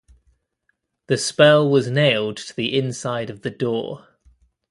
The spell was nailed to the inside of the door.